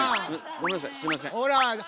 ごめんなさいすいません。